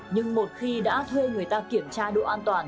nhưng một khi đã thuê người ta kiểm tra độ an toàn